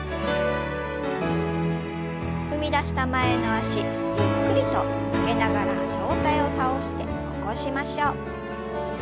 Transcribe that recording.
踏み出した前の脚ゆっくりと曲げながら上体を倒して起こしましょう。